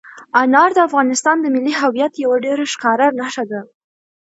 انار د افغانستان د ملي هویت یوه ډېره ښکاره نښه ده.